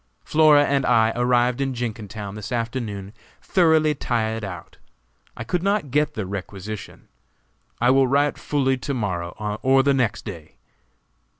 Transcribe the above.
Flora and I arrived in Jenkintown this afternoon thoroughly tired out. I could not get the requisition. I will write fully to morrow or the next day.